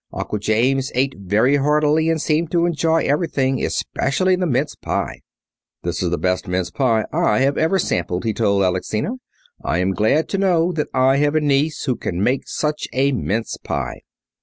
Uncle James ate very heartily and seemed to enjoy everything, especially the mince pie. "This is the best mince pie I have ever sampled," he told Alexina. "I am glad to know that I have a niece who can make such a mince pie."